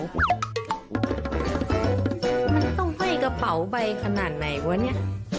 มันต้องห้อยกระเป๋าใบขนาดไหนวะเนี่ย